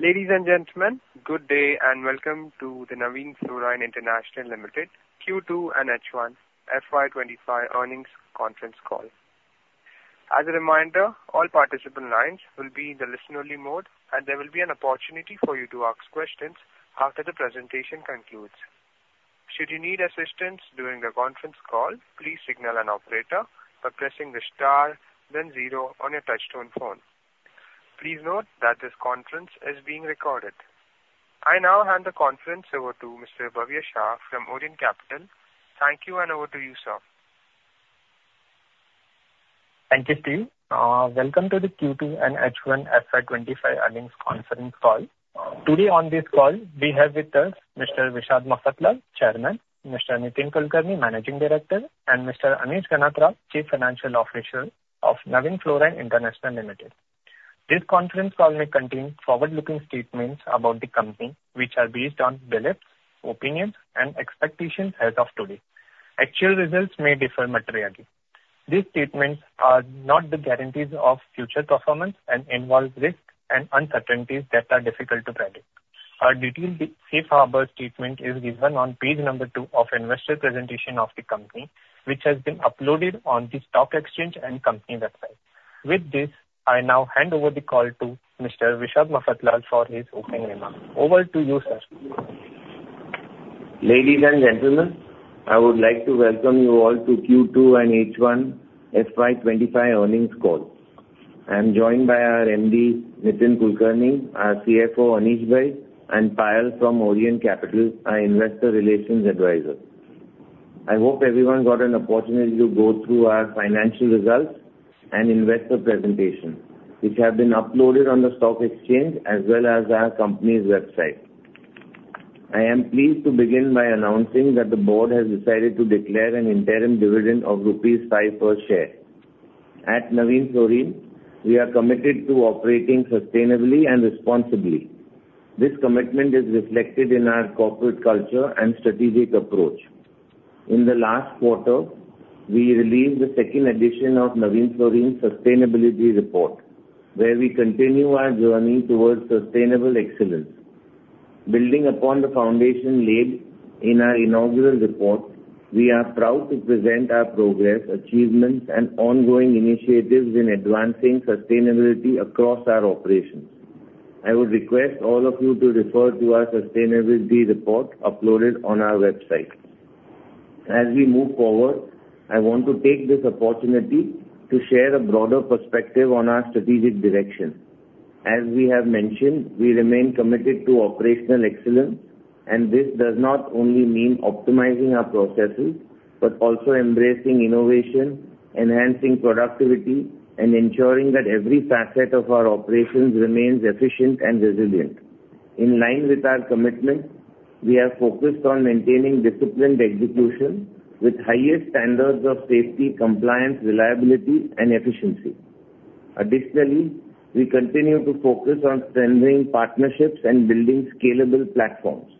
Ladies and gentlemen, good day, and welcome to the Navin Fluorine International Limited Q2 and First Half FY 2025 earnings conference call. As a reminder, all participant lines will be in the listen-only mode, and there will be an opportunity for you to ask questions after the presentation concludes. Should you need assistance during the conference call, please signal an operator by pressing the star, then zero on your touchtone phone. Please note that this conference is being recorded. I now hand the conference over to Mr. Bhavya Shah from Orient Capital. Thank you, and over to you, sir. Thank you, Steve. Welcome to the Q2 and First Half FY 2025 earnings conference call. Today on this call, we have with us Mr. Vishad Mafatlal, Chairman, Mr. Nitin Kulkarni, Managing Director, and Mr. Anish Ganatra, Chief Financial Officer of Navin Fluorine International Limited. This conference call may contain forward-looking statements about the company, which are based on beliefs, opinions, and expectations as of today. Actual results may differ materially. These statements are not the guarantees of future performance and involve risks and uncertainties that are difficult to predict. Our detailed safe harbor statement is given on page number two of investor presentation of the company, which has been uploaded on the stock exchange and company website. With this, I now hand over the call to Mr. Vishad Mafatlal for his opening remarks. Over to you, sir. Ladies and gentlemen, I would like to welcome you all to Q2 and first half FY 2025 earnings call. I'm joined by our MD, Nitin Kulkarni, our CFO, Anish Bhai, and Payal from Orient Capital, our investor relations advisor. I hope everyone got an opportunity to go through our financial results and investor presentation, which have been uploaded on the stock exchange as well as our company's website. I am pleased to begin by announcing that the board has decided to declare an interim dividend of rupees 5 per share. At Navin Fluorine, we are committed to operating sustainably and responsibly. This commitment is reflected in our corporate culture and strategic approach. In the last quarter, we released the second edition of Navin Fluorine Sustainability Report, where we continue our journey towards sustainable excellence. Building upon the foundation laid in our inaugural report, we are proud to present our progress, achievements, and ongoing initiatives in advancing sustainability across our operations. I would request all of you to refer to our sustainability report uploaded on our website. As we move forward, I want to take this opportunity to share a broader perspective on our strategic direction. As we have mentioned, we remain committed to operational excellence, and this does not only mean optimizing our processes, but also embracing innovation, enhancing productivity, and ensuring that every facet of our operations remains efficient and resilient. In line with our commitment, we are focused on maintaining disciplined execution with highest standards of safety, compliance, reliability, and efficiency. Additionally, we continue to focus on strengthening partnerships and building scalable platforms.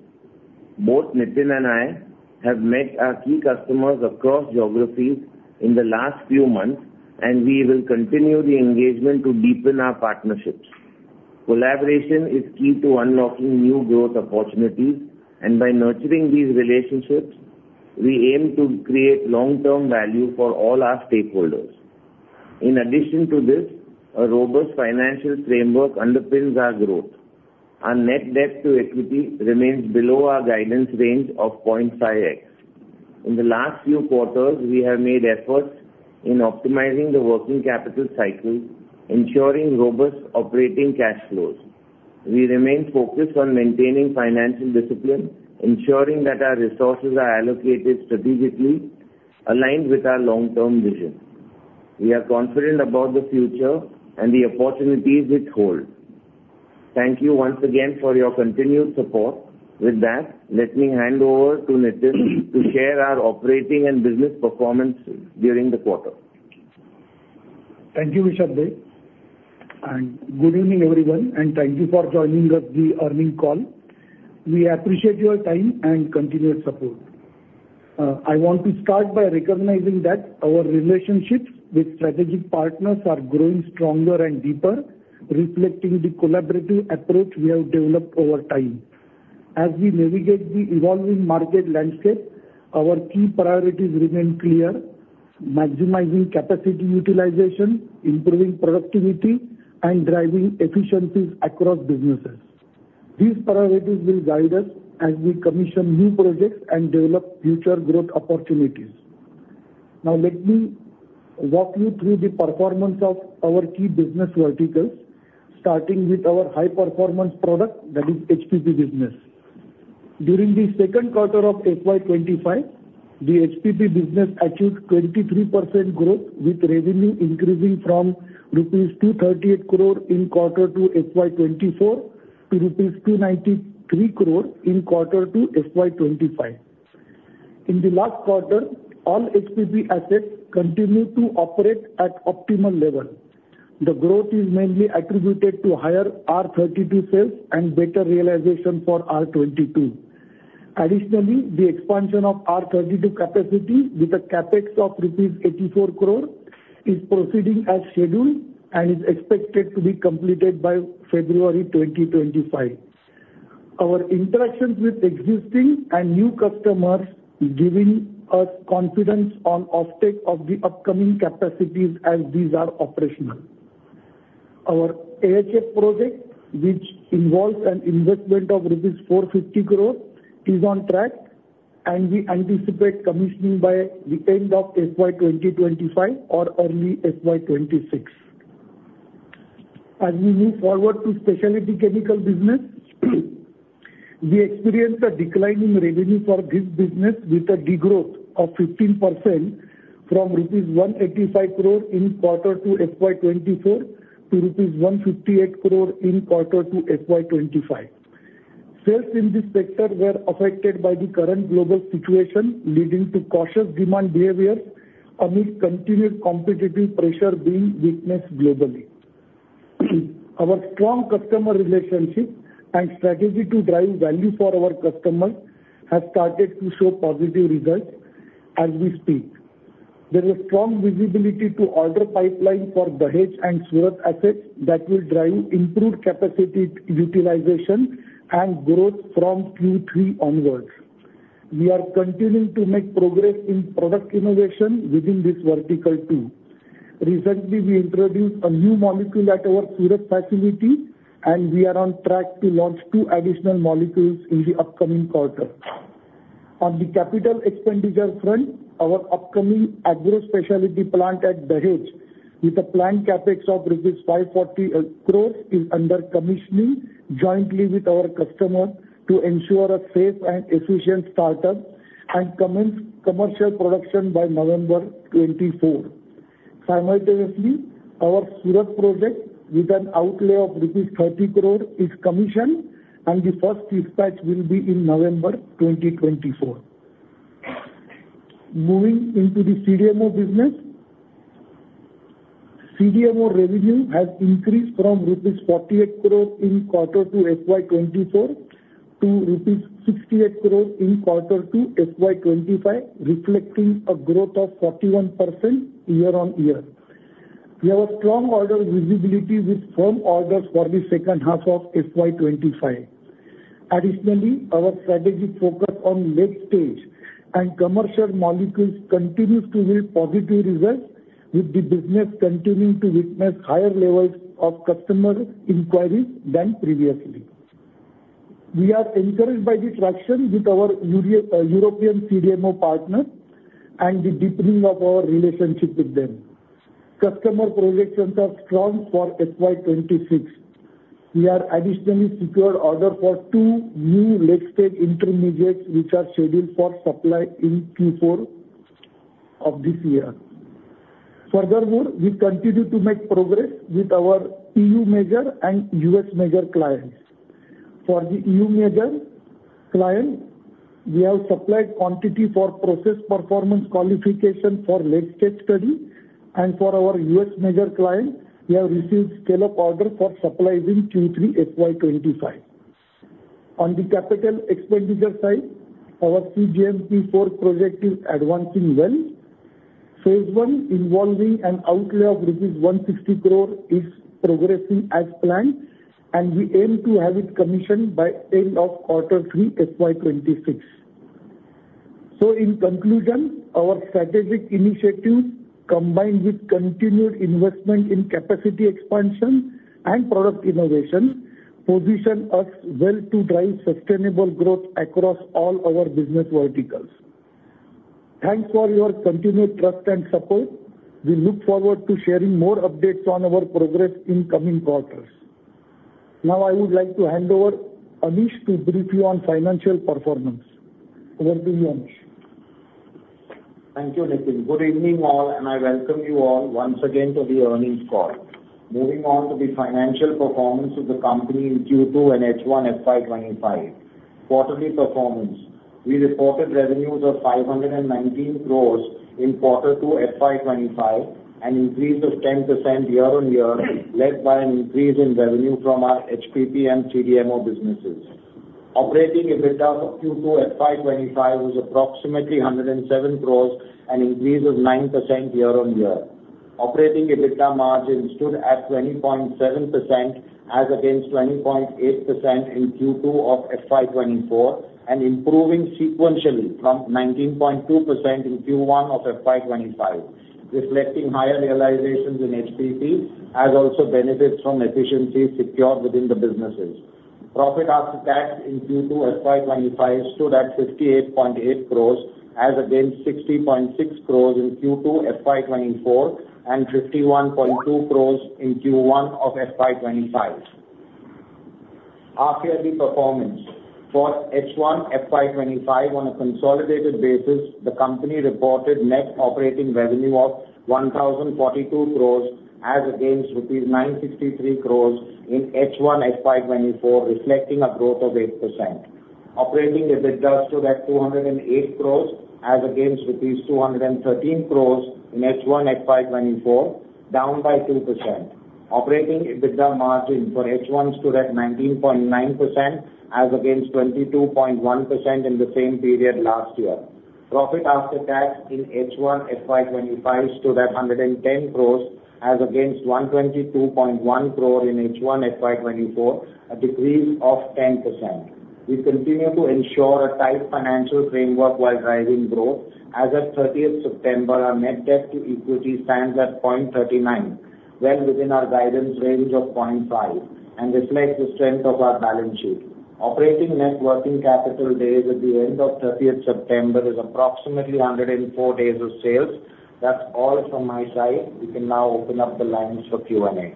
Both Nitin and I have met our key customers across geographies in the last few months, and we will continue the engagement to deepen our partnerships. Collaboration is key to unlocking new growth opportunities, and by nurturing these relationships, we aim to create long-term value for all our stakeholders. In addition to this, a robust financial framework underpins our growth. Our Net Debt to Equity remains below our guidance range of 0.5x. In the last few quarters, we have made efforts in optimizing the working capital cycle, ensuring robust operating cash flows. We remain focused on maintaining financial discipline, ensuring that our resources are allocated strategically, aligned with our long-term vision. We are confident about the future and the opportunities it holds. Thank you once again for your continued support. With that, let me hand over to Nitin to share our operating and business performance during the quarter. Thank you, Vishad for update, and good evening, everyone, and thank you for joining us on the earnings call. We appreciate your time and continued support. I want to start by recognizing that our relationships with strategic partners are growing stronger and deeper, reflecting the collaborative approach we have developed over time. As we navigate the evolving market landscape, our key priorities remain clear: maximizing capacity utilization, improving productivity, and driving efficiencies across businesses. These priorities will guide us as we commission new projects and develop future growth opportunities. Now, let me walk you through the performance of our key business verticals, starting with our high-performance product, that is HPP business. During the second quarter of FY 2025, the HPP business achieved 23% growth, with revenue increasing from rupees 238 crore in Q2 FY 2024 to INR 293 crore in Q2 FY 2025. In the last quarter, all HPP assets continued to operate at optimal level. The growth is mainly attributed to higher R32 sales and better realization for R22. Additionally, the expansion of R32 capacity with a CapEx of rupees 84 crore is proceeding as scheduled, and is expected to be completed by February 2025. Our interactions with existing and new customers giving us confidence on offtake of the upcoming capacities as these are operational. Our AHF project, which involves an investment of rupees 450 crore, is on track, and we anticipate commissioning by the end of FY 2025 or early FY 2026. As we move forward to Specialty Chemicals business, we experienced a decline in revenue for this business with a degrowth of 15% from rupees 185 crore in quarter two, FY 2024, to rupees 158 crore in quarter two, FY 2025. Sales in this sector were affected by the current global situation, leading to cautious demand behaviors amidst continued competitive pressure being witnessed globally. Our strong customer relationship and strategy to drive value for our customers has started to show positive results as we speak. There is strong visibility to order pipeline for Dahej and Surat assets that will drive improved capacity utilization and growth from Q3 onwards. We are continuing to make progress in product innovation within this vertical, too. Recently, we introduced a new molecule at our Surat facility, and we are on track to launch two additional molecules in the upcoming quarter. On the capital expenditure front, our upcoming Agro Specialty plant at Dahej, with a planned CapEx of rupees 540 crore, is under commissioning jointly with our customer to ensure a safe and efficient startup, and commence commercial production by November 2024. Simultaneously, our Surat project, with an outlay of rupees 30 crore, is commissioned, and the first dispatch will be in November 2024. Moving into the CDMO business. CDMO revenue has increased from rupees 48 crore in quarter two, FY 2024, to rupees 68 crore in quarter two, FY 2025, reflecting a growth of 41% year-on-year. We have a strong order visibility with firm orders for the second half of FY 2025. Additionally, our strategic focus on late-stage and commercial molecules continues to yield positive results, with the business continuing to witness higher levels of customer inquiries than previously. We are encouraged by the traction with our European CDMO partner and the deepening of our relationship with them. Customer projections are strong for FY 2026. We are additionally secured order for two new late-stage intermediates, which are scheduled for supply in Q4 of this year. Furthermore, we continue to make progress with our EU major and US major clients. For the EU major client, we have supplied quantity for process performance qualification for late-stage study, and for our US major client, we have received scale-up order for supplies in Q3 FY 2025. On the capital expenditure side, our cGMP 4 project is advancing well. Phase one, involving an outlay of rupees 160 crore, is progressing as planned, and we aim to have it commissioned by end of quarter three, FY 2026. So in conclusion, our strategic initiatives, combined with continued investment in capacity expansion and product innovation, position us well to drive sustainable growth across all our business verticals. Thanks for your continued trust and support. We look forward to sharing more updates on our progress in coming quarters. Now I would like to hand over to Anish to brief you on financial performance. Over to you, Anish. Thank you, Nitin. Good evening, all, and I welcome you all once again to the earnings call. Moving on to the financial performance of the company in Q2 and first half FY 2025. Quarterly performance. We reported revenues of 519 crore in quarter two, FY 2025, an increase of 10% year-on-year, led by an increase in revenue from our HPP and CDMO businesses. Operating EBITDA for Q2 FY 2025 was approximately 107 crore, an increase of 9% year-on-year. Operating EBITDA margin stood at 20.7%, as against 20.8% in Q2 of FY 2024, and improving sequentially from 19.2% in Q1 of FY 2025, reflecting higher realizations in HPP, as also benefits from efficiencies secured within the businesses. Profit after tax in Q2 FY 2025 stood at 58.8 crores, as against 60.6 crores in Q2 FY 2024, and 51.2 crores in Q1 of FY 2025. Half-yearly performance. For first half FY 2025 on a consolidated basis, the company reported net operating revenue of 1,042 crores, as against rupees 963 crores in first half FY24, reflecting a growth of 8%. Operating EBITDA stood at 208 crores, as against rupees 213 crores in first half FY 2024, down by 2%. Operating EBITDA margin for H1 stood at 19.9%, as against 22.1% in the same period last year. Profit after tax in first half FY 2025 stood at 110 crores, as against 122.1 crore in first half FY 2024, a decrease of 10%. We continue to ensure a tight financial framework while driving growth. As at thirtieth September, our net debt to equity stands at 0.39, well within our guidance range of 0.5, and reflects the strength of our balance sheet. Operating net working capital days at the end of thirtieth September is approximately 104 days of sales. That's all from my side. We can now open up the lines for Q&A.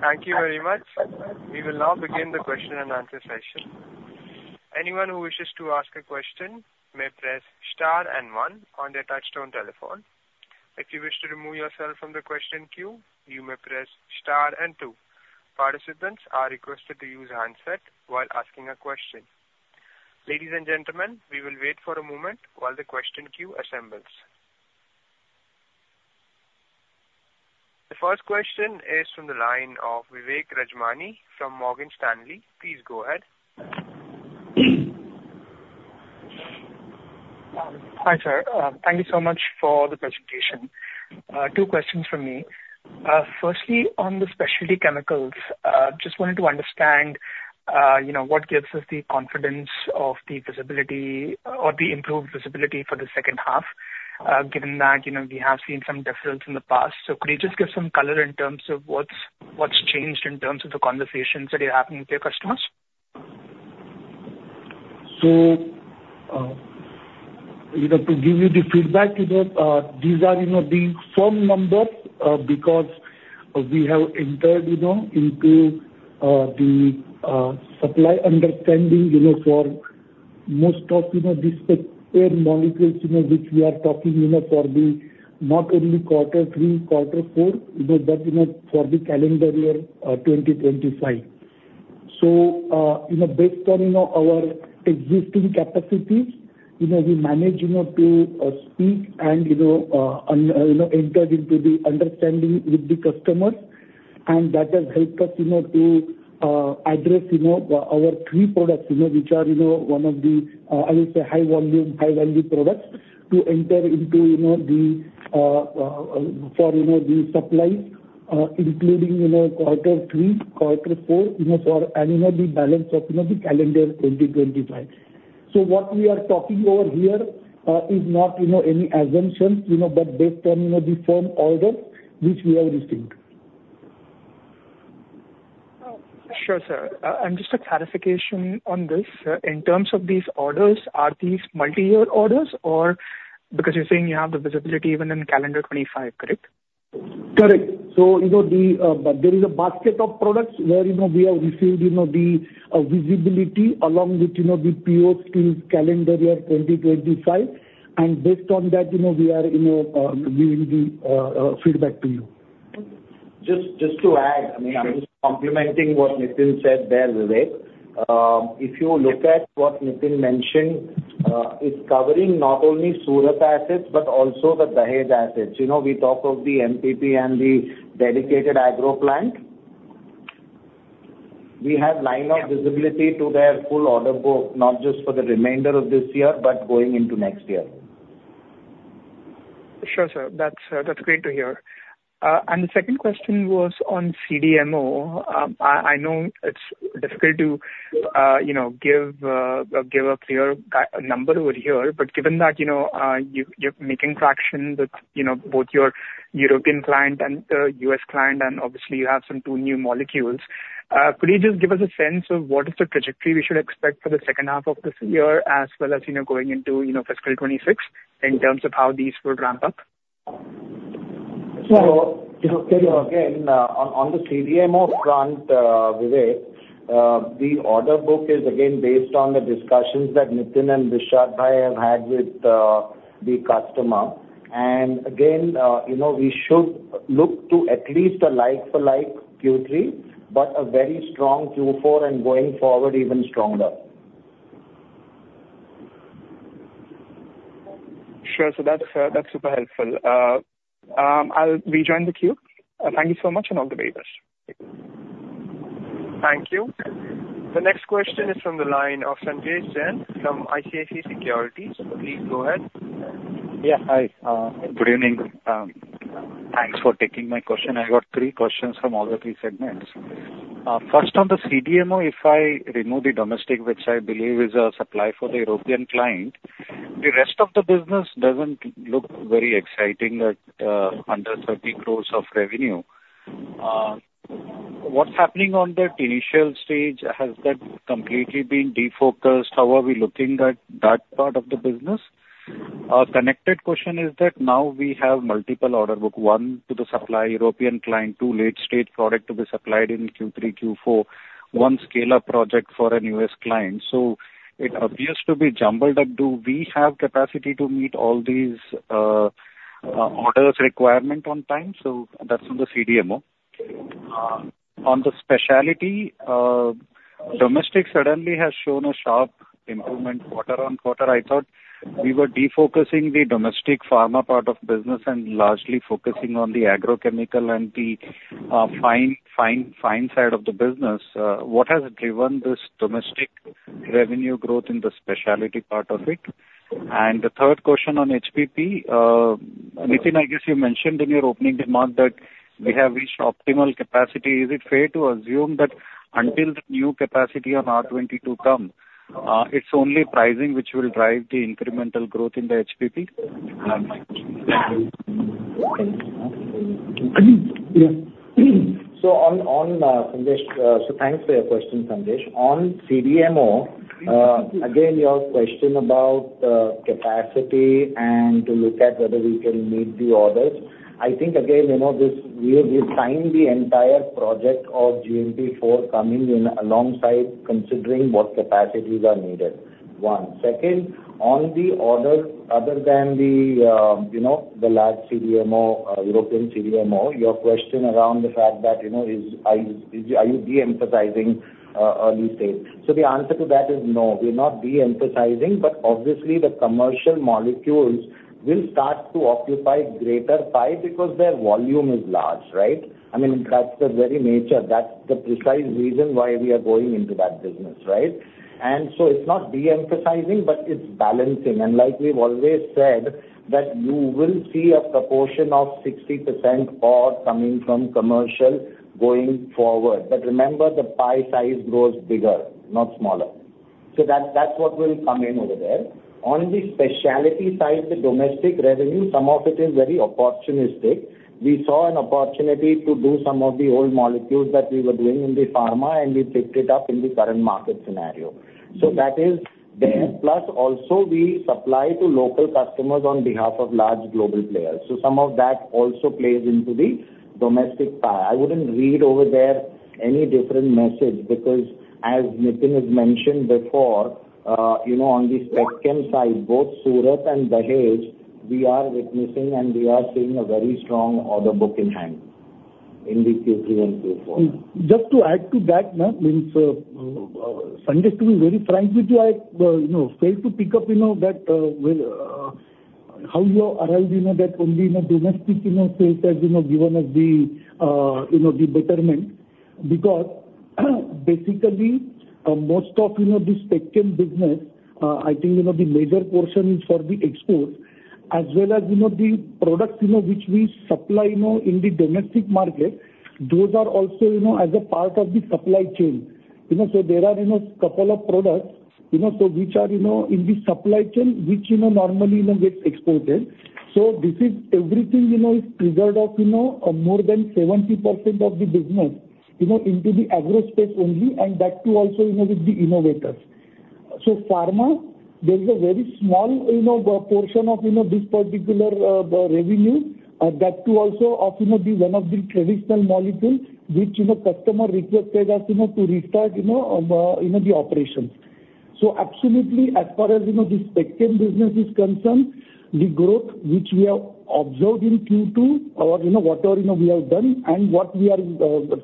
Thank you very much. We will now begin the question and answer session. Anyone who wishes to ask a question may press star and one on their touchtone telephone. If you wish to remove yourself from the question queue, you may press star and two. Participants are requested to use handset while asking a question. Ladies and gentlemen, we will wait for a moment while the question queue assembles. The first question is from the line of Vivek Rajamani from Morgan Stanley. Please go ahead. Hi, sir. Thank you so much for the presentation. Two questions from me. Firstly, on the Specialty Chemicals, just wanted to understand, you know, what gives us the confidence of the visibility or the improved visibility for the second half, given that, you know, we have seen some difference in the past. So could you just give some color in terms of what's changed in terms of the conversations that are happening with your customers? So, you know, to give you the feedback, you know, these are, you know, the firm numbers, because we have entered, you know, into the supply understanding, you know, for most of, you know, these molecules, you know, which we are talking, you know, for not only quarter three, quarter four, you know, but, you know, for the calendar year 2025. So, you know, based on, you know, our existing capacities, you know, we manage, you know, to speak and, you know, entered into the understanding with the customers, and that has helped us, you know, to address our three products, you know, which are, you know, one of the, I would say, high volume, high value products, to enter into, you know, the for, you know, the supplies, including, you know, quarter three, quarter four, you know, for, and, you know, the balance of, you know, the calendar 2025. So what we are talking over here is not, you know, any assumptions, you know, but based on, you know, the firm order which we have received. Sure, sir. And just a clarification on this. In terms of these orders, are these multi-year orders or... Because you're saying you have the visibility even in calendar 2025, correct? Correct. So, you know, there is a basket of products where, you know, we have received, you know, the visibility along with, you know, the POs till calendar year 2025, and based on that, you know, we are, you know, giving the feedback to you. Just, just to add, I mean, I'm just complementing what Nitin said there, Vivek. If you look at what Nitin mentioned, it's covering not only Surat assets, but also the Dahej assets. You know, we talk of the MPP and the dedicated agro plant. We have line of visibility to their full order book, not just for the remainder of this year, but going into next year. Sure, sir. That's great to hear. And the second question was on CDMO. I know it's difficult to give a clear guidance number over here, but given that you're making traction with both your European client and the US client, and obviously you have some two new molecules, could you just give us a sense of what is the trajectory we should expect for the second half of this year, as well as going into fiscal 2026, in terms of how these will ramp up? So, you know, again, on the CDMO front, Vivek, the order book is again based on the discussions that Nitin and Vishad have had with the customer. And again, you know, we should look to at least a like for like Q3, but a very strong Q4, and going forward, even stronger. Sure. So that's super helpful. I'll rejoin the queue. Thank you so much, and all the very best. Thank you. The next question is from the line of Sanjesh Jain from ICICI Securities. Please go ahead. Yeah. Hi, good evening. Thanks for taking my question. I got three questions from all the three segments. First, on the CDMO, if I remove the domestic, which I believe is a supply for the European client, the rest of the business doesn't look very exciting at under thirty crores of revenue. What's happening on that initial stage? Has that completely been defocused? How are we looking at that part of the business? A connected question is that now we have multiple order book, one, to the supply European client, two, late stage product to be supplied in Q3, Q4, one scale-up project for a U.S. client. So it appears to be jumbled up. Do we have capacity to meet all these orders requirement on time? So that's on the CDMO. On the specialty, domestic suddenly has shown a sharp improvement quarter-on-quarter. I thought we were defocusing the domestic pharma part of business and largely focusing on the agrochemical and the fine side of the business. What has driven this domestic revenue growth in the specialty part of it? And the third question on HPP, Nitin, I guess you mentioned in your opening remark that we have reached optimal capacity. Is it fair to assume that until the new capacity on R22 come, it's only pricing which will drive the incremental growth in the HPP? On Sandesh, thanks for your question, Sandesh. On CDMO, again, your question about capacity and to look at whether we can meet the orders. I think again, you know, this we signed the entire project of cGMP 4 coming in alongside considering what capacities are needed, one. Second, on the orders other than the, you know, the large CDMO, European CDMO, your question around the fact that, you know, are you de-emphasizing early stage? So the answer to that is no. We're not de-emphasizing, but obviously the commercial molecules will start to occupy greater pie because their volume is large, right? I mean, that's the very nature, that's the precise reason why we are going into that business, right? And so it's not de-emphasizing, but it's balancing. And like we've always said, that you will see a proportion of 60% or coming from commercial going forward. But remember, the pie size grows bigger, not smaller. So that, that's what will come in over there. On the specialty side, the domestic revenue, some of it is very opportunistic. We saw an opportunity to do some of the old molecules that we were doing in the pharma, and we picked it up in the current market scenario. So that is there. Plus, also, we supply to local customers on behalf of large global players. So some of that also plays into the domestic pie. I wouldn't read over there any different message because as Nitin has mentioned before, you know, on the Spec Chem side, both Surat and Dahej, we are witnessing and we are seeing a very strong order book in hand in the Q3 and Q4. Just to add to that, now, means, Sandesh, to be very frank with you, I, you know, failed to pick up, you know, that, well, how you have arrived, you know, that only in a domestic, you know, space has, you know, given us the, you know, the betterment. Because, basically, most of you know, the Spec Chem business, I think you know the major portion is for the export as well as, you know, the products, you know, which we supply, you know, in the domestic market, those are also, you know, as a part of the supply chain. You know, so there are, you know, couple of products, you know, so which are, you know, in the supply chain, which, you know, normally, you know, gets exported. So this is everything, you know, is triggered off, you know, more than 70% of the business, you know, into the agro space only, and that too also, you know, with the innovators. Pharma, there is a very small, you know, portion of, you know, this particular, revenue, that too also of, you know, the one of the traditional molecules which, you know, customer requested us, you know, to restart, you know, the operations. Absolutely, as far as you know, the Spec Chem business is concerned, the growth which we have observed in Q2 or, you know, whatever, you know, we have done and what we are,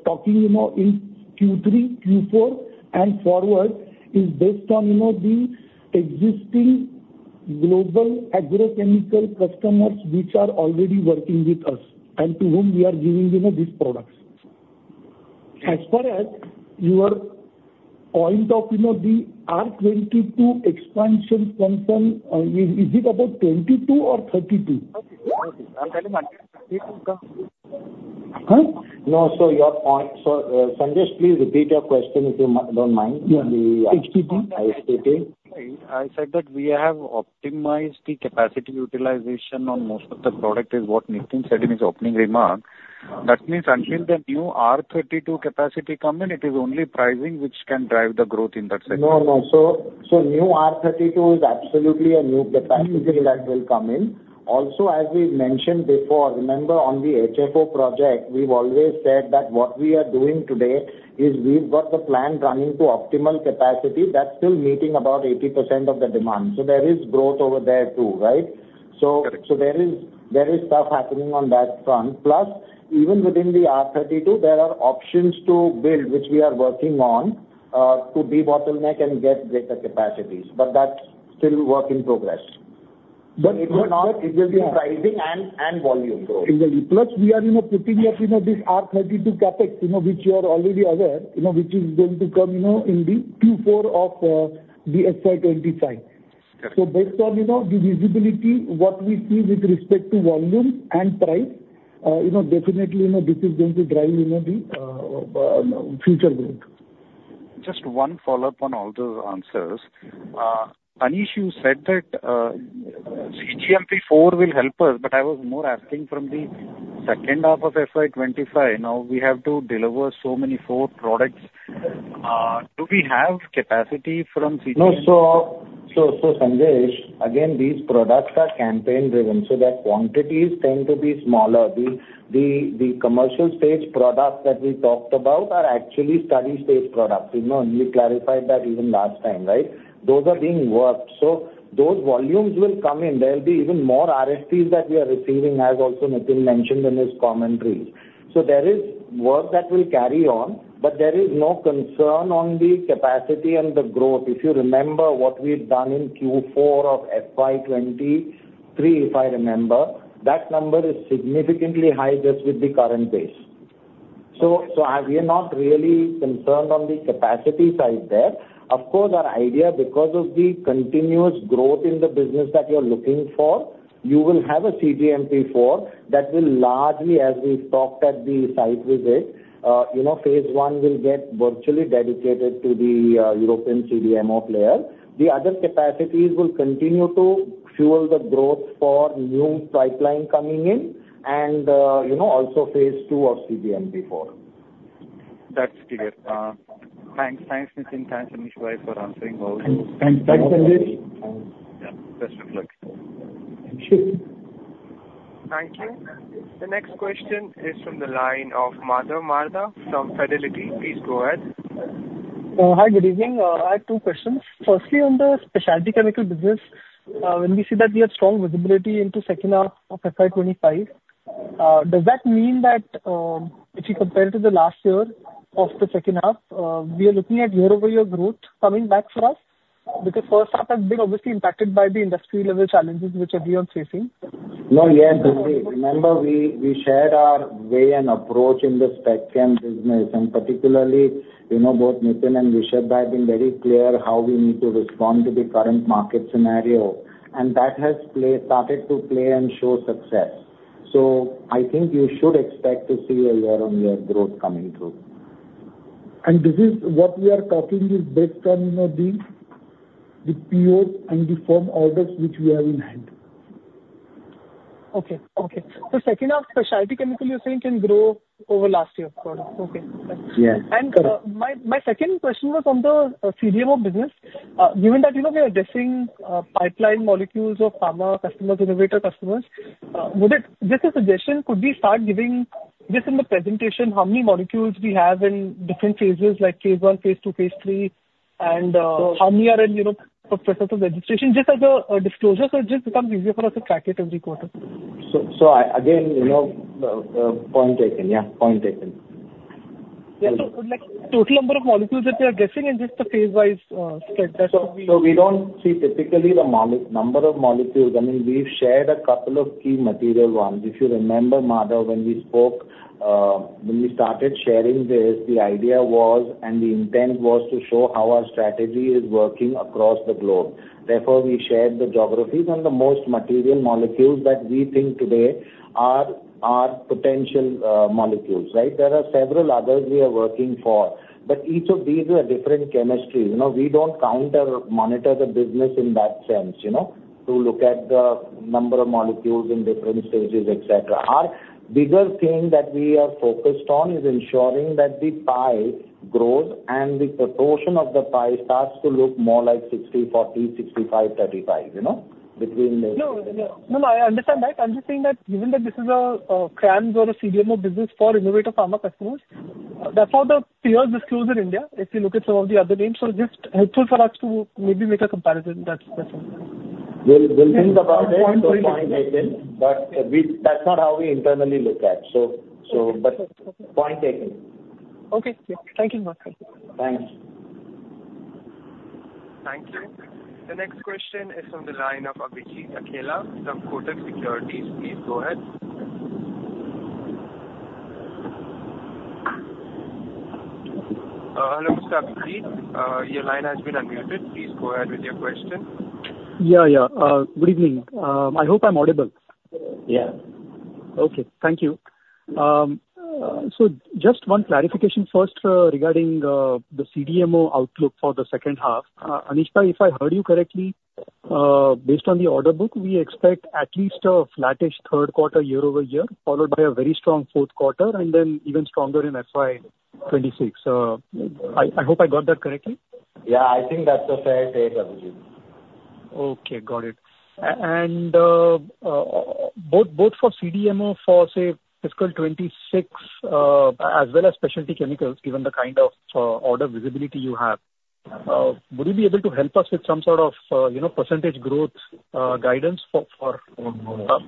talking, you know, in Q3, Q4 and forward, is based on, you know, the existing global agrochemical customers, which are already working with us and to whom we are giving, you know, these products. As far as your point of, you know, the R22 expansion concern, is it about 22 or 32? No. So your point... So, Sandesh, please repeat your question, if you don't mind. Yeah. HPP. HPP. I said that we have optimized the capacity utilization on most of the product, is what Nitin said in his opening remark. That means until the new R32 capacity come in, it is only pricing which can drive the growth in that sector. No, no. So, new R32 is absolutely a new capacity that will come in. Also, as we mentioned before, remember on the HFO project, we've always said that what we are doing today is we've got the plant running to optimal capacity. That's still meeting about 80% of the demand. So there is growth over there, too, right? Correct. So, there is stuff happening on that front. Plus, even within the R32, there are options to build, which we are working on, to debottleneck and get greater capacities, but that's still work in progress. But- It will be pricing and volume growth. Exactly. Plus, we are, you know, putting up, you know, this R32 CapEx, you know, which you are already aware, you know, which is going to come, you know, in the Q4 of the FY 2025. Correct. So, based on, you know, the visibility, what we see with respect to volume and price, you know, definitely, you know, this is going to drive, you know, the future growth. Just one follow-up on all those answers. Anish, you said that cGMP4 will help us, but I was more asking for the second half of FY 2025, now we have to deliver so many HFO products. Do we have capacity from cGMP? So, Sanjay, again, these products are campaign-driven, so their quantities tend to be smaller. The commercial stage products that we talked about are actually study stage products, you know, and we clarified that even last time, right? Those are being worked, so those volumes will come in. There will be even more RFPs that we are receiving, as also Nitin mentioned in his commentary. So there is work that will carry on, but there is no concern on the capacity and the growth. If you remember what we've done in Q4 of FY 2023, if I remember, that number is significantly high just with the current base. So, as we are not really concerned on the capacity side there, of course, our idea, because of the continuous growth in the business that you're looking for, you will have a CDMO 4 that will largely, as we talked at the site visit, you know, phase one will get virtually dedicated to the European CDMO player. The other capacities will continue to fuel the growth for new pipeline coming in and, you know, also phase two of CDMO 4. That's clear. Thanks. Thanks, Nitin. Thanks, Anish Bhai, for answering all those. Thanks, Sanjay. Yeah, best of luck. Thank you. Thank you. The next question is from the line of Madhav Marda from Fidelity. Please go ahead. Hi, good evening. I have two questions. Firstly, on the Specialty Chemical business, when we see that we have strong visibility into second half of FY 2025, does that mean that, if you compare to the last year of the second half, we are looking at year-over-year growth coming back for us? Because first half has been obviously impacted by the industry-level challenges which everyone's facing. No, yes, indeed. Remember, we shared our way and approach in the Spec Chem business, and particularly, you know, both Nitin and Vishad have been very clear how we need to respond to the current market scenario, and that has started to play and show success, so I think you should expect to see a year-on-year growth coming through. This is what we are talking is based on, you know, the POs and the firm orders which we have in hand. Okay. So second half, Specialty Chemicals you're saying can grow over last year's product. Okay. Yes. And, my second question was on the CDMO business. Given that, you know, we are addressing pipeline molecules of pharma customers, innovator customers, would it- just a suggestion, could we start giving just in the presentation how many molecules we have in different phases, like phase one, phase two, phase three, and how many are in, you know, process of registration, just as a disclosure, so it just becomes easier for us to track it every quarter? So, so I again, you know, point taken. Yeah, point taken. Yeah. So like, total number of molecules that you are addressing and just the phase-wise, spread that will be- We don't see typically the number of molecules. I mean, we've shared a couple of key material ones. If you remember, Madhav, when we spoke, when we started sharing this, the idea was, and the intent was to show how our strategy is working across the globe. Therefore, we shared the geographies and the most material molecules that we think today are potential molecules, right? There are several others we are working for, but each of these are different chemistries. You know, we don't count or monitor the business in that sense, you know, to look at the number of molecules in different stages, et cetera. Our bigger thing that we are focused on is ensuring that the pie grows and the proportion of the pie starts to look more like 60/40, 65/35, you know, between the- No, no. No, no, I understand that. I'm just saying that given that this is a CRAMS or a CDMO business for innovative pharma customers, that's how the peers disclose in India, if you look at some of the other names. So just helpful for us to maybe make a comparison. That's all. We'll think about it. Point taken. Point taken. But we, that's not how we internally look at. So, but point taken. Okay, thank you very much. Thanks. Thank you. The next question is from the line of Abhijit Akella from Kotak Securities. Please go ahead. Hello, Mr. Abhijit, your line has been unmuted. Please go ahead with your question. Yeah, yeah. Good evening. I hope I'm audible. Yeah. Okay. Thank you. So just one clarification first, regarding the CDMO outlook for the second half. Anish, if I heard you correctly, based on the order book, we expect at least a flattish third quarter year-over-year, followed by a very strong fourth quarter, and then even stronger in FY 2026. I hope I got that correctly. Yeah, I think that's a fair take, Abhijit. Okay, got it. And both for CDMO for, say, fiscal 2026, as well as Specialty Chemicals, given the kind of order visibility you have, would you be able to help us with some sort of, you know, percentage growth guidance for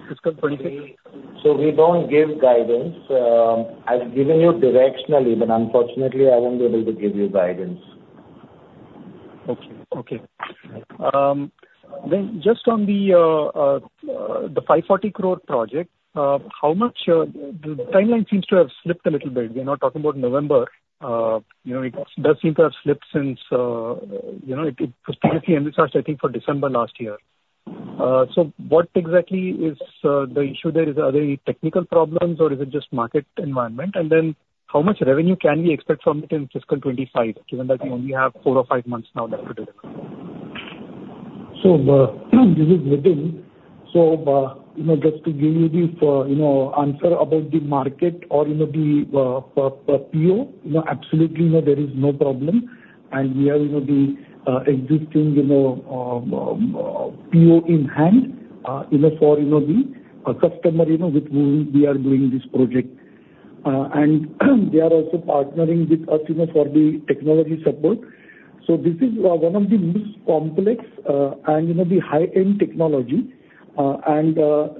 fiscal 2026? So we don't give guidance. I've given you directionally, but unfortunately, I won't be able to give you guidance. Okay. Then just on the 540 crore project, how much? The timeline seems to have slipped a little bit. We are now talking about November. You know, it does seem to have slipped since it was previously envisaged, I think, for December last year. So what exactly is the issue there? Are there technical problems, or is it just market environment? And then how much revenue can we expect from it in fiscal 2025, given that we only have four or five months now left to deliver? So, this is Nitin. So, you know, just to give you the, you know, answer about the market or, you know, the, PO, you know, absolutely, you know, there is no problem, and we have, you know, the, existing, you know, PO in hand, you know, for, you know, the, customer, you know, with whom we are doing this project. And they are also partnering with us, you know, for the technology support. So this is, one of the most complex, and, you know, the high-end technology, and,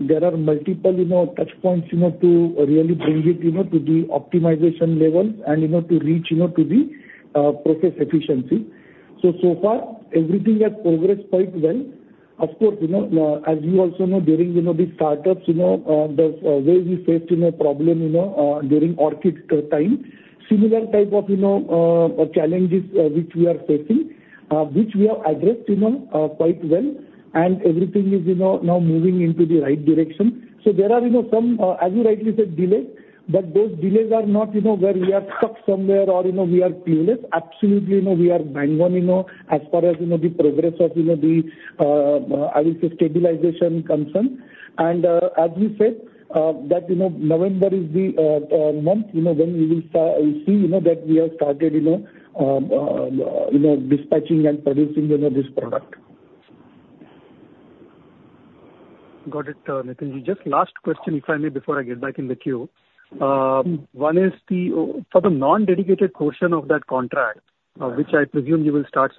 there are multiple, you know, touchpoints, you know, to really bring it, you know, to the optimization level and, you know, to reach, you know, to the, process efficiency. So far, everything has progressed quite well. Of course, you know, as you also know, during the startups, you know, the where we faced, you know, problem, you know, during Orchid time, similar type of, you know, challenges, which we are facing, which we have addressed, you know, quite well, and everything is, you know, now moving into the right direction. So there are, you know, some, as you rightly said, delays, but those delays are not, you know, where we are stuck somewhere or, you know, we are clueless. Absolutely, you know, we are bang on, you know, as far as, you know, the progress of, you know, the, I will say, stabilization concerned. As you said, that you know, November is the month, you know, when we will see, you know, that we have started, you know, dispatching and producing, you know, this product. Got it, Nitinji. Just last question, if I may, before I get back in the queue. Mm-hmm. The one is for the non-dedicated portion of that contract. Will the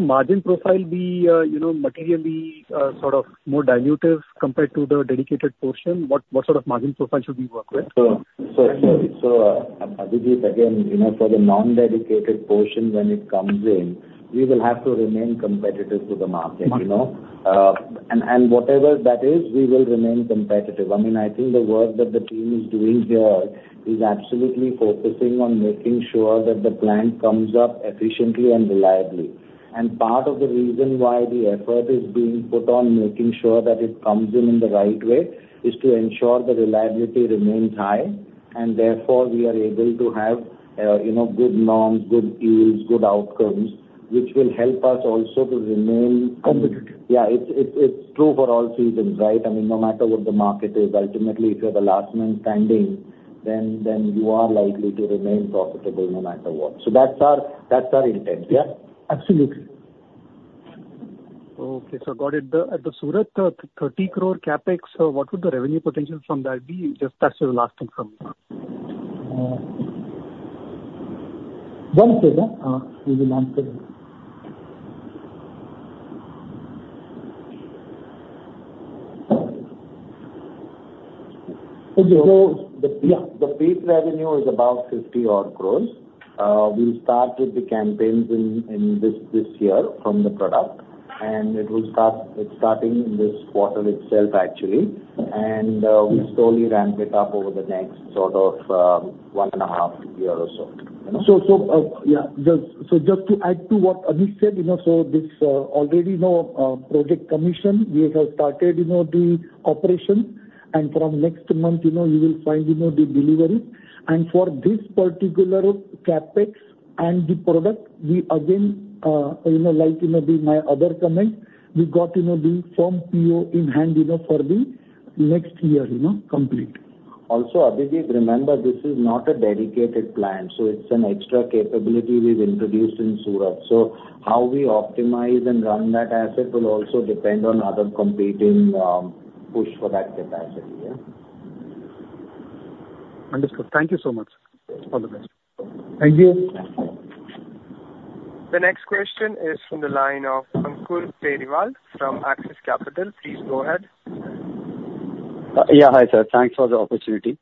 margin profile be, you know, materially sort of more dilutive compared to the dedicated portion? What sort of margin profile should we work with? Abhijit, again, you know, for the non-dedicated portion, when it comes in, we will have to remain competitive to the market, you know? Mm-hmm. and whatever that is, we will remain competitive. I mean, I think the work that the team is doing here is absolutely focusing on making sure that the plant comes up efficiently and reliably. And part of the reason why the effort is being put on making sure that it comes in in the right way, is to ensure the reliability remains high, and therefore, we are able to have, you know, good norms, good yields, good outcomes, which will help us also to remain- Competitive. Yeah, it's true for all seasons, right? I mean, no matter what the market is, ultimately, if you're the last man standing, then you are likely to remain profitable, no matter what. So that's our intent, yeah? Absolutely. Okay, so got it. The at the Surat 30 crore CapEx, what would the revenue potential from that be? Just, that's the last thing from me. One second, give me one second. So the- Yeah. The peak revenue is about 50-odd crore. We started the campaigns in this year from the product, and it's starting in this quarter itself, actually. We slowly ramp it up over the next sort of one and a half year or so. So, just to add to what Abhijit said, you know, so this already, you know, project commissioning we have started, you know, the operation, and from next month, you know, you will find, you know, the delivery. And for this particular CapEx and the product, we again, you know, like, you know, to my other comment, we got, you know, the firm PO in hand, you know, for the next year, you know, complete. Also, Abhijit, remember, this is not a dedicated plan, so it's an extra capability we've introduced in Surat. So how we optimize and run that asset will also depend on other competing push for that capacity, yeah? Understood. Thank you so much, sir. All the best. Thank you. Thank you. The next question is from the line of Ankur Periwal from Axis Capital. Please go ahead. Yeah, hi, sir. Thanks for the opportunity.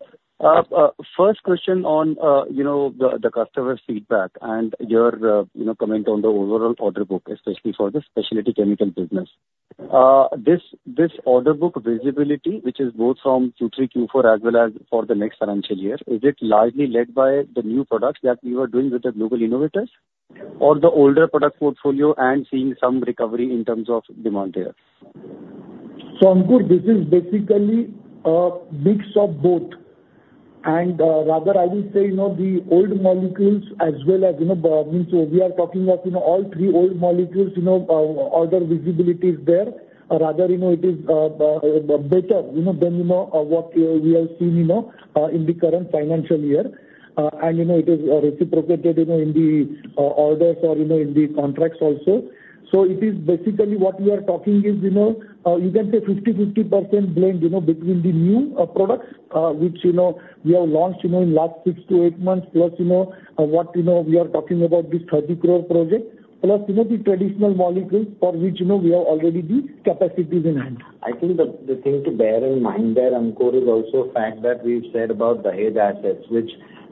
First question on, you know, the customer's feedback and your, you know, comment on the overall order book, especially for the Specialty Chemical business. This order book visibility, which is both from Q3, Q4, as well as for the next financial year, is it largely led by the new products that you are doing with the global innovators? Or the older product portfolio and seeing some recovery in terms of demand there. So Ankur, this is basically mix of both, and rather I will say, you know, the old molecules as well as, you know, I mean, we are talking of, you know, all three old molecules. You know, order visibility is there, or rather, you know, it is better, you know, than, you know, what we have seen, you know, in the current financial year. And, you know, it is reciprocated, you know, in the orders or, you know, in the contracts also. So it is basically what we are talking is, you know, you can say 50-50% blend, you know, between the new products, which, you know, we have launched, you know, in last six to eight months, plus, you know, what, you know, we are talking about this 30 crore project, plus, you know, the traditional molecules for which, you know, we have already the capacities in hand. I think the thing to bear in mind there, Ankur, is also the fact that we've said about Dahej assets,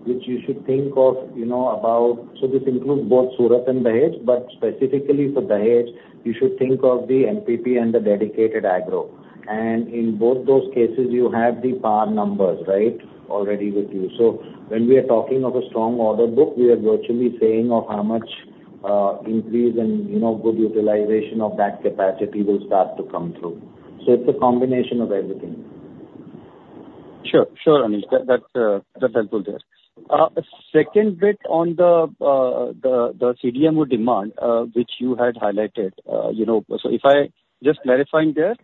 which you should think of, you know, about. So this includes both Surat and Dahej, but specifically for Dahej, you should think of the MPP and the dedicated agro. And in both those cases, you have the PAT numbers, right? Already with you. So when we are talking of a strong order book, we are virtually saying of how much increase and, you know, good utilization of that capacity will start to come through. So it's a combination of everything.... Sure, sure, Anish, that's helpful there. Second bit on the CDMO demand, which you had highlighted. You know, so if I just verifying there,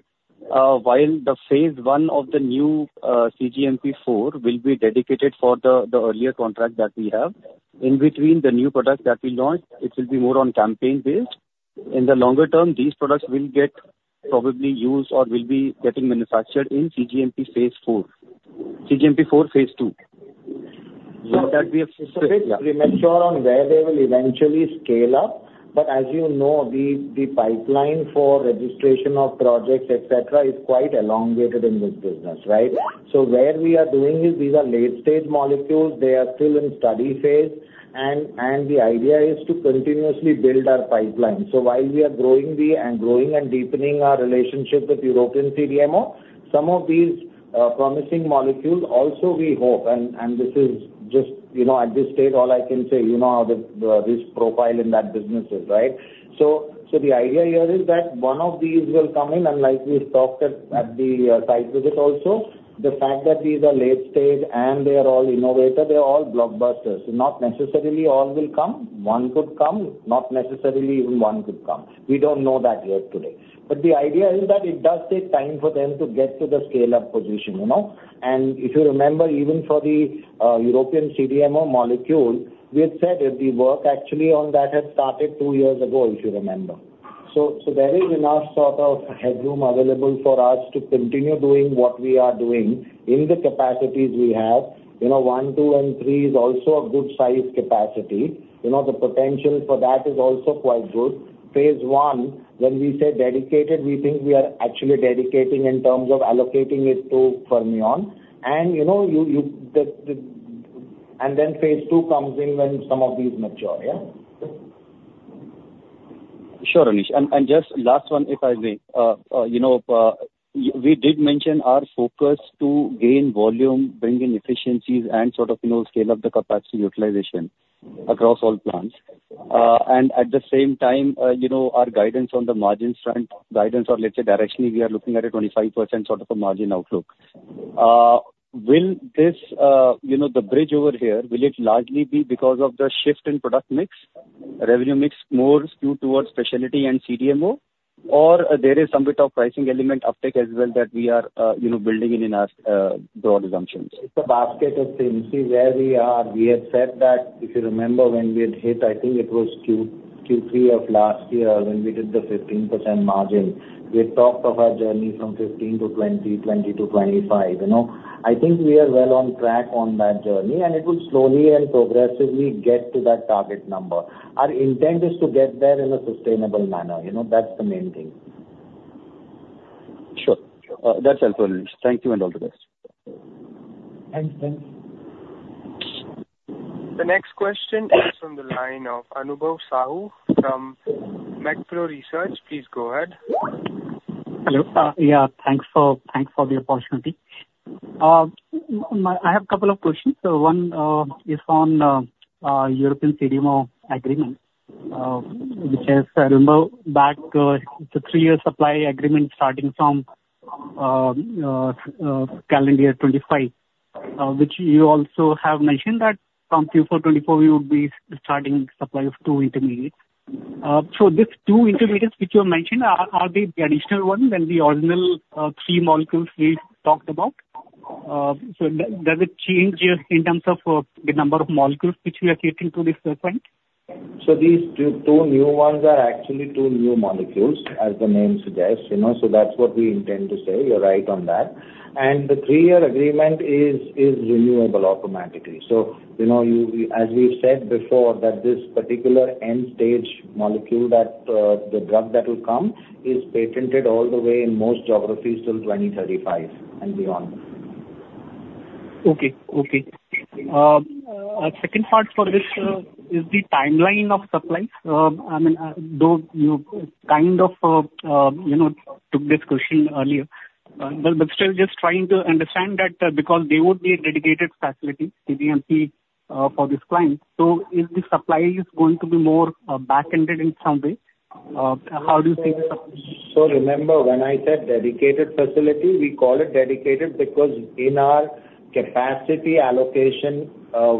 while the phase one of the new cGMP 4 will be dedicated for the earlier contract that we have, in between the new product that we launch, it will be more on campaign based. In the longer term, these products will get probably used or will be getting manufactured in cGMP 4 phase two. So that we have- We make sure on where they will eventually scale up, but as you know, the pipeline for registration of projects, et cetera, is quite elongated in this business, right? So where we are doing is these are late stage molecules. They are still in study phase, and the idea is to continuously build our pipeline. So while we are growing the, and growing and deepening our relationship with European CDMO, some of these promising molecules also we hope, and this is just, you know, at this stage, all I can say, you know, how the this profile in that business is, right? So the idea here is that one of these will come in and like we talked at, at the site visit also, the fact that these are late stage and they are all innovative, they are all blockbusters. Not necessarily all will come, one could come, not necessarily even one could come. We don't know that yet today. But the idea is that it does take time for them to get to the scale-up position, you know? And if you remember, even for the European CDMO molecule, we had said that the work actually on that had started two years ago, if you remember. So, there is enough sort of headroom available for us to continue doing what we are doing in the capacities we have. You know, one, two, and three is also a good size capacity. You know, the potential for that is also quite good. Phase one, when we say dedicated, we think we are actually dedicating in terms of allocating it to Fermion. And, you know, you, the, and then phase two comes in when some of these mature, yeah? Sure, Anish. And, and just last one, if I may. You know, we did mention our focus to gain volume, bring in efficiencies and sort of, you know, scale up the capacity utilization across all plants. And at the same time, you know, our guidance on the margins front, guidance or let's say directionally, we are looking at a 25% sort of a margin outlook. Will this, you know, the bridge over here, will it largely be because of the shift in product mix, revenue mix, more skewed towards specialty and CDMO? Or there is some bit of pricing element uptick as well that we are, you know, building in, in our, broad assumptions. It's a basket of things. See, where we are, we have said that, if you remember when we had hit, I think it was Q3 of last year when we did the 15% margin, we had talked of our journey from 15%-20%, 20%-25%, you know? I think we are well on track on that journey, and it will slowly and progressively get to that target number. Our intent is to get there in a sustainable manner, you know, that's the main thing. Sure. That's helpful, Anish. Thank you, and all the best. Thanks. Thanks. The next question is from the line of Anubhav Sahu from Macquarie Research. Please go ahead. Hello. Yeah, thanks for the opportunity. I have a couple of questions. So one is on European CDMO agreement, which, I remember back, the three-year supply agreement starting from calendar year 2025, which you also have mentioned that from Q4 2024 we would be starting supply of two intermediates. So these two intermediates which you have mentioned, are they the additional ones than the original three molecules we talked about? So does it change in terms of the number of molecules which we are getting to this point? So these two, two new ones are actually two new molecules, as the name suggests, you know, so that's what we intend to say. You're right on that. And the three-year agreement is renewable automatically. So, you know, you, we-- as we've said before, that this particular end stage molecule that, the drug that will come is patented all the way in most geographies till 2035 and beyond. Okay. Second part for this is the timeline of supply. I mean, you know, took this question earlier, but, but still just trying to understand that, because there would be a dedicated facility, cGMP, for this client, so is the supply is going to be more back-ended in some way? How do you think so? So remember, when I said dedicated facility, we call it dedicated because in our capacity allocation,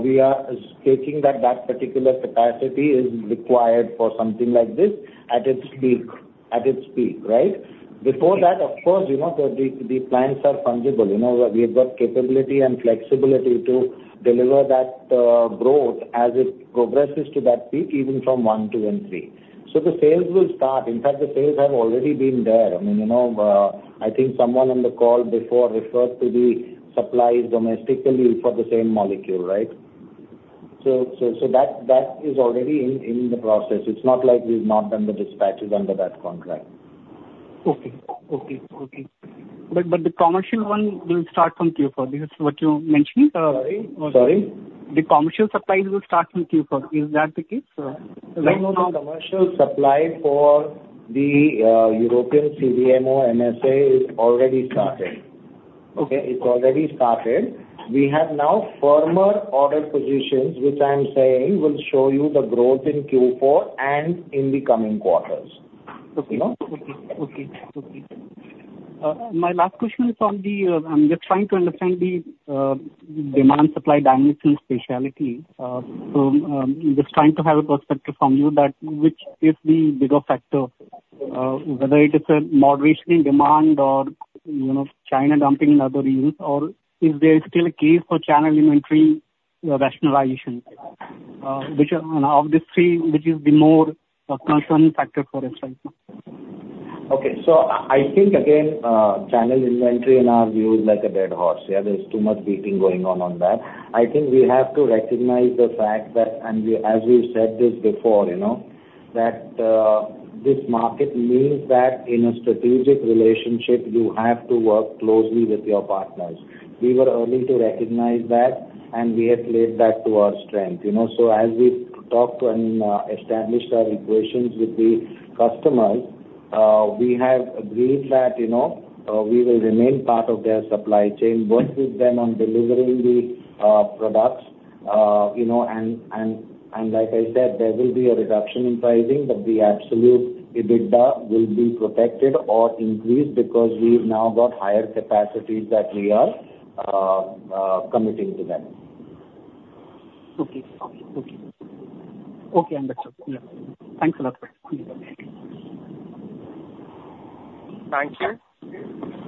we are stating that that particular capacity is required for something like this at its peak, at its peak, right? Before that, of course, you know, the clients are fungible. You know, we have got capability and flexibility to deliver that growth as it progresses to that peak, even from one, two, and three. So the sales will start. In fact, the sales have already been there. I mean, you know, I think someone on the call before referred to the supplies domestically for the same molecule, right? So that is already in the process. It's not like we've not done the dispatches under that contract. Okay. But the commercial one will start from Q4, this is what you mentioned? Sorry? Sorry. The commercial supplies will start from Q4. Is that the case? No, no, the commercial supply for the European CDMO MSA is already started. Okay. It's already started. We have now firmer order positions, which I'm saying will show you the growth in Q4 and in the coming quarters. ...Okay, okay, okay. My last question is on the. I'm just trying to understand the demand-supply dynamics in specialty. So, just trying to have a perspective from you that which is the bigger factor, whether it is a moderation in demand or, you know, China dumping and other reasons, or is there still a case for channel inventory rationalization? Which of these three, which is the more concerning factor for us right now? Okay. So I, I think again, channel inventory in our view is like a dead horse. Yeah, there's too much beating going on on that. I think we have to recognize the fact that, and we, as we've said this before, you know, that, this market means that in a strategic relationship, you have to work closely with your partners. We were early to recognize that, and we have played that to our strength, you know? So as we talked to and, established our equations with the customers, we have agreed that, you know, we will remain part of their supply chain, work with them on delivering the, products. You know, and like I said, there will be a reduction in pricing, but the absolute EBITDA will be protected or increased because we've now got higher capacities that we are committing to them. Okay, that's okay. Yeah. Thanks a lot for your time. Thank you.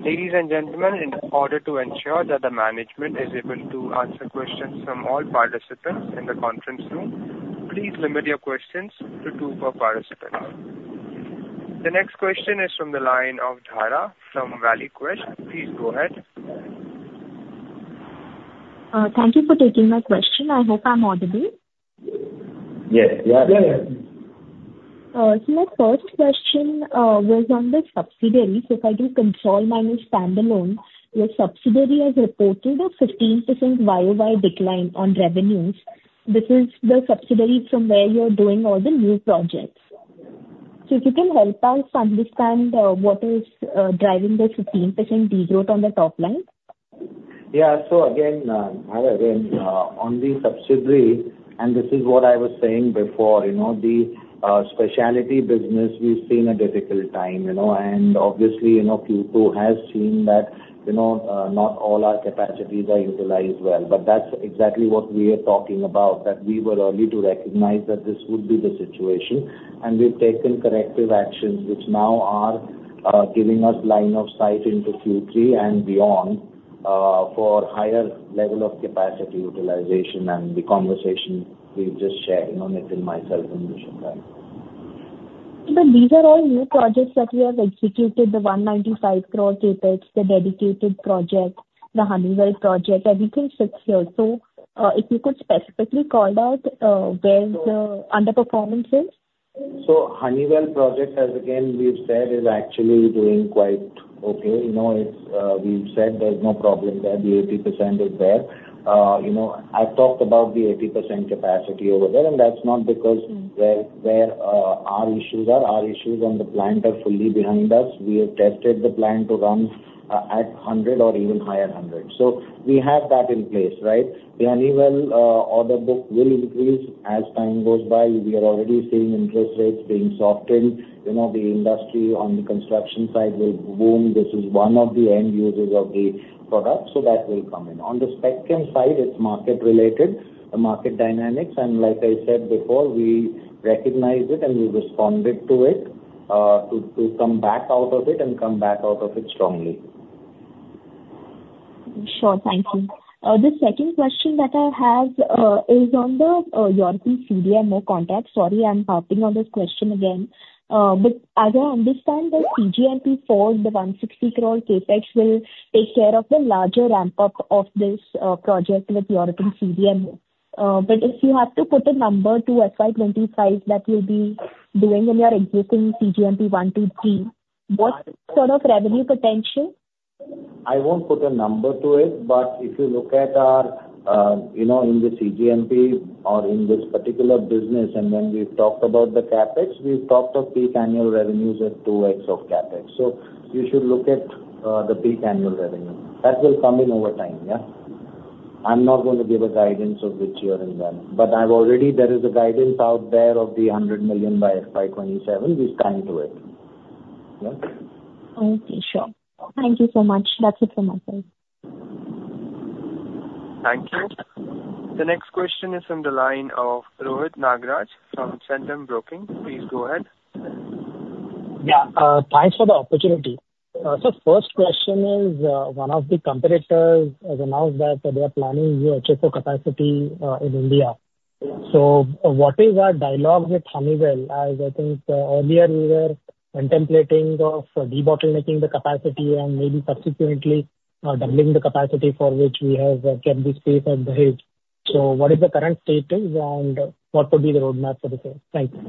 Ladies and gentlemen, in order to ensure that the management is able to answer questions from all participants in the conference room, please limit your questions to two per participant. The next question is from the line of Dhara from ValueQuest. Please go ahead. Thank you for taking my question. I hope I'm audible. Yes. Yeah. Yeah, yeah. So my first question was on the subsidiary. So if I do consolidated minus standalone, your subsidiary has reported a 15% YOY decline on revenues. This is the subsidiary from where you're doing all the new projects. So if you can help us understand what is driving the 15% decline on the top line? Yeah. So again, Dhara, again, on the subsidiary, and this is what I was saying before, you know, the specialty business, we've seen a difficult time, you know, and obviously, you know, Q2 has seen that, you know, not all our capacities are utilized well. But that's exactly what we are talking about, that we were early to recognize that this would be the situation, and we've taken corrective actions which now are giving us line of sight into Q3 and beyond, for higher level of capacity utilization and the conversation we've just shared, you know, Nitin, myself, and Vishad. But these are all new projects that we have executed, the 195 crore CapEx, the dedicated project, the Honeywell project, everything sits here. So, if you could specifically call out, where the underperformance is? Honeywell project, as again we've said, is actually doing quite okay. You know, it's, we've said there's no problem there. The 80% is there. You know, I've talked about the 80% capacity over there, and that's not because where our issues are. Our issues on the plant are fully behind us. We have tested the plant to run at 100 or even higher 100. We have that in place, right? The Honeywell order book will increase as time goes by. We are already seeing interest rates being softened. You know, the industry on the construction side will boom. This is one of the end users of the product, so that will come in. On the Spec Chem side, it's market related, the market dynamics, and like I said before, we recognized it, and we responded to it, to come back out of it and come back out of it strongly. Sure. Thank you. The second question that I have is on the European CDMO contract. Sorry, I'm harping on this question again. But as I understand, the cGMP 4, the 160 crore CapEx will take care of the larger ramp-up of this project with European CDMO. But if you have to put a number to FY 2025 that you'll be doing in your existing cGMP 1, 2, 3, what sort of revenue potential? I won't put a number to it, but if you look at our, you know, in the cGMP or in this particular business, and when we've talked about the CapEx, we've talked of peak annual revenues at 2x of CapEx. So you should look at the peak annual revenue. That will come in over time, yeah? I'm not going to give a guidance of which year and when, but I've already, there is a guidance out there of $100 million by FY 2027. We're standing to it. Yeah? Okay, sure. Thank you so much. That's it from my side. Thank you. The next question is from the line of Rohit Nagraj from Centrum Broking. Please go ahead. Yeah, thanks for the opportunity. So first question is, one of the competitors has announced that they are planning new HFO capacity, in India. So what is our dialogue with Honeywell? As I think, earlier we were contemplating of debottlenecking the capacity and maybe subsequently, doubling the capacity for which we have kept the space at Dahej. So what is the current status, and what would be the roadmap for the same? Thank you.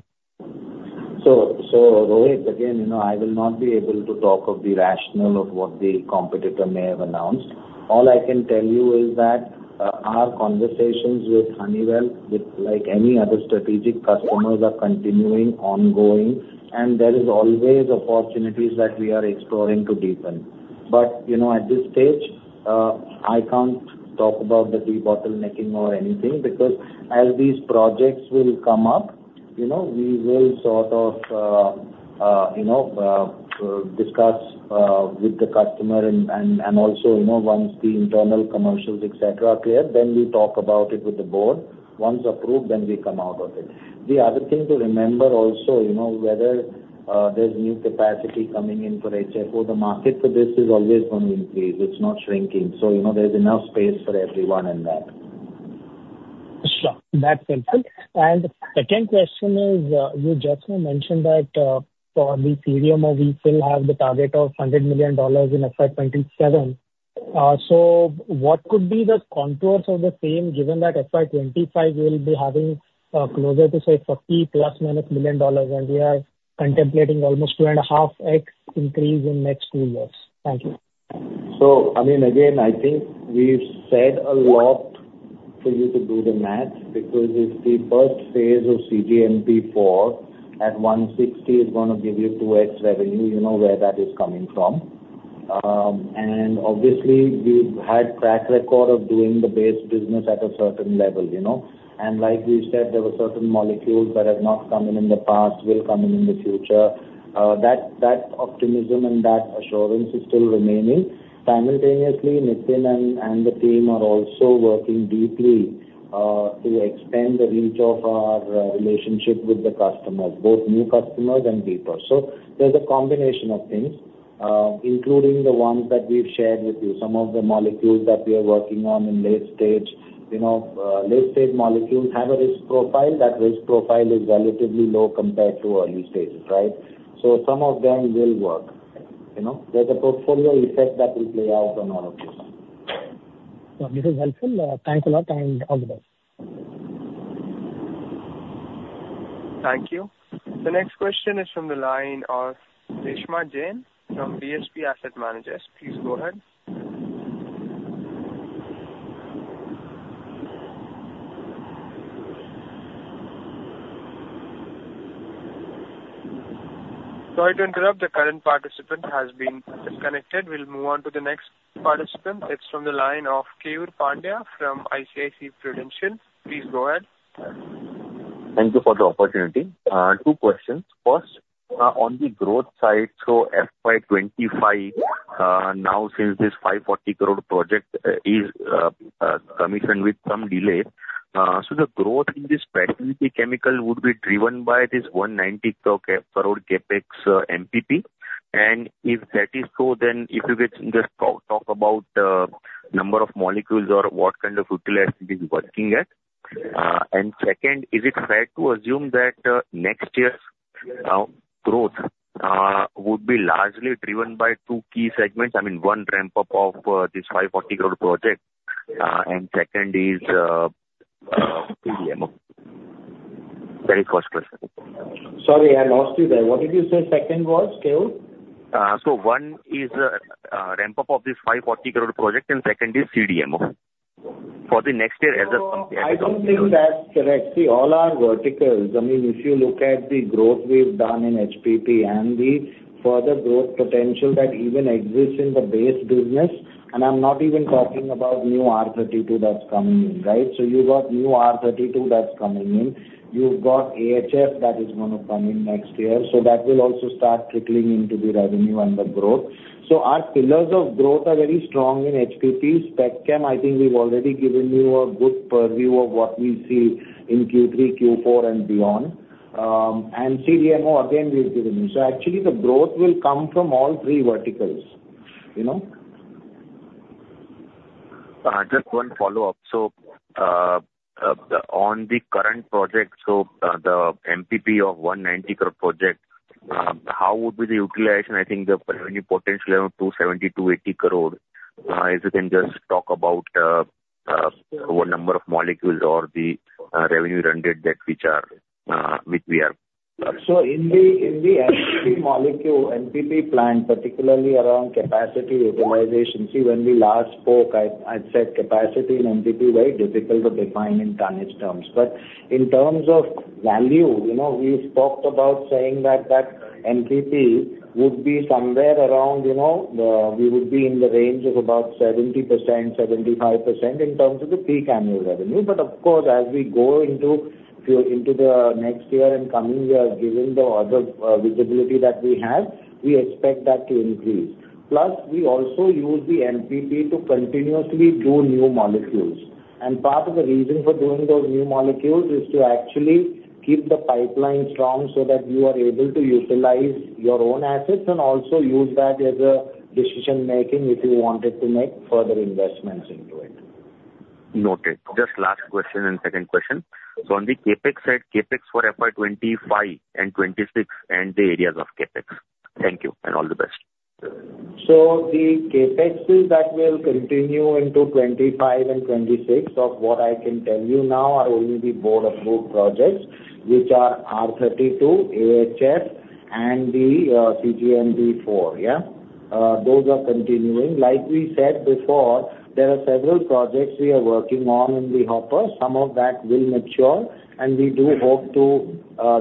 Rohit, again, you know, I will not be able to talk of the rationale of what the competitor may have announced. All I can tell you is that our conversations with Honeywell, with like any other strategic customers, are continuing, ongoing, and there is always opportunities that we are exploring to deepen. But, you know, at this stage, I can't talk about the debottlenecking or anything, because as these projects will come up, you know, we will sort of discuss with the customer and also, you know, once the internal commercials, et cetera, are clear, then we talk about it with the board. Once approved, then we come out with it. The other thing to remember also, you know, whether there's new capacity coming in for HFO, the market for this is always going to increase. It's not shrinking. So, you know, there's enough space for everyone in that. Sure, that's helpful. And the second question is, you just now mentioned that, for the CDMO, we still have the target of $100 million in FY 2027. So what could be the contours of the same, given that FY 2025 will be having, closer to, say, $40 million plus or minus, and we are contemplating almost 2.5x increase in next two years? Thank you. So, I mean, again, I think we've said a lot for you to do the math, because if the first phase of cGMP 4 at 160 is gonna give you 2x revenue, you know where that is coming from. And obviously, we've had track record of doing the base business at a certain level, you know? And like we said, there were certain molecules that have not come in in the past, will come in in the future. That optimism and that assurance is still remaining. Simultaneously, Nitin and the team are also working deeply to extend the reach of our relationship with the customers, both new customers and deeper. So there's a combination of things, including the ones that we've shared with you. Some of the molecules that we are working on in late stage, you know, late-stage molecules have a risk profile. That risk profile is relatively low compared to early stages, right? So some of them will work, you know. There's a portfolio effect that will play out on all of this. This is helpful. Thanks a lot, and all the best. Thank you. The next question is from the line of Reshma Jain from DSP Asset Managers. Please go ahead. Sorry to interrupt. The current participant has been disconnected. We'll move on to the next participant. It's from the line of Keyur Pandya from ICICI Prudential. Please go ahead. Thank you for the opportunity. Two questions. First, on the growth side, so FY 2025, now, since this 540 crore project is commissioned with some delay, so the growth in this Specialty Chemical would be driven by this 190 crore CapEx MPP? And if that is so, then if you could just talk about number of molecules or what kind of utility it is working at. And second, is it fair to assume that next year's growth would be largely driven by two key segments? I mean, one ramp-up of this 540 crore project, and second is CDMO. That is first question. Sorry, I lost you there. What did you say second was, Keyur? So one is, ramp-up of this 540 crore project, and second is CDMO for the next year as a- So I don't think that's correct. See, all our verticals, I mean, if you look at the growth we've done in HPP and the further growth potential that even exists in the base business, and I'm not even talking about new R32 that's coming in, right? So you've got new R32 that's coming in. You've got AHF that is gonna come in next year, so that will also start trickling into the revenue and the growth. So our pillars of growth are very strong in HPP. Spec Chem, I think we've already given you a good purview of what we see in Q3, Q4, and beyond, and CDMO, again, we've given you. So actually the growth will come from all three verticals, you know? Just one follow-up. So, on the current project, the MPP of 190 crore project, how would be the utilization? I think the revenue potential around 270-280 crore. If you can just talk about, what number of molecules or the, revenue run rate that which are, which we are... In the MPP molecule, MPP plant, particularly around capacity utilization, when we last spoke, I said capacity in MPP very difficult to define in tonnage terms. But in terms of value, you know, we talked about saying that MPP would be somewhere around, we would be in the range of about 70%-75% in terms of the peak annual revenue. But of course, as we go into the next year and coming year, given the order visibility that we have, we expect that to increase. Plus, we also use the MPP to continuously do new molecules, and part of the reason for doing those new molecules is to actually keep the pipeline strong so that you are able to utilize your own assets and also use that as a decision-making, if you wanted to make further investments into it. Noted. Just last question and second question: So on the CapEx side, CapEx for FY 2025 and 2026, and the areas of CapEx. Thank you, and all the best. So the CapEx that will continue into 2025 and 2026 of what I can tell you now are only the board-approved projects, which are R32, AHF, and the cGMP4, yeah? Those are continuing. Like we said before, there are several projects we are working on in the hopper. Some of that will mature, and we do hope to